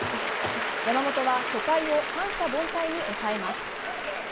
山本は初回を三者凡退に抑えます。